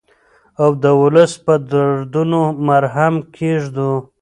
او د ولس په دردونو مرهم کېږدو.